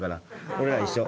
俺ら一緒。